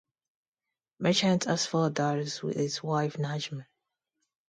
Merchant has four daughters with his wife Najma.